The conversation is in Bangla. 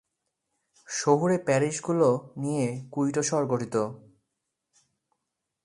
শহুরে প্যারিশগুলো নিয়ে কুইটো শহর গঠিত।